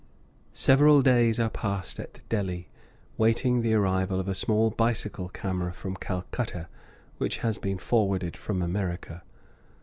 Several days are passed at Delhi, waiting the arrival of a small bicycle camera from Calcutta, which has been forwarded from America.